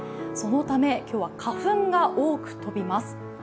そのため、今日は花粉が多く飛びます。